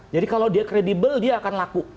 jadi kalau dia kredibel dia akan laku